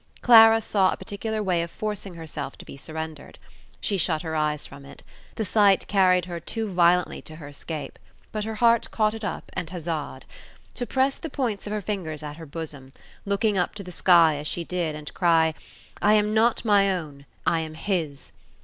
Clara saw a particular way of forcing herself to be surrendered. She shut her eyes from it: the sight carried her too violently to her escape; but her heart caught it up and huzzaed. To press the points of her fingers at her bosom, looking up to the sky as she did, and cry: "I am not my own; I am his!"